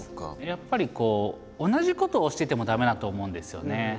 やっぱり同じことをしてても駄目だと思うんですよね。